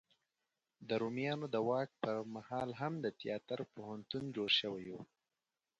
د رومیانو د واک په مهال هم د تیاتر پوهنتون جوړ شوی و.